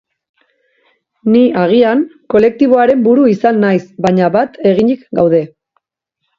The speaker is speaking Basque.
Ni, agian, kolektiboaren buru izan naiz, baina bat eginik gaude.